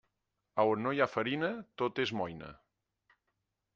A on no hi ha farina, tot és moïna.